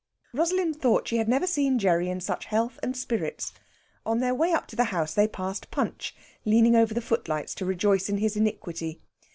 Rosalind thought she had never seen Gerry in such health and spirits. On their way up to the house they passed Punch, leaning over the footlights to rejoice in his iniquity.